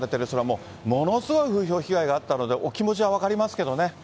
それはものすごい風評被害があったので、お気持ちは分かりますけどね。